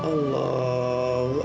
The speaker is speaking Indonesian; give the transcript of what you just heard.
cantik loh seperti ibu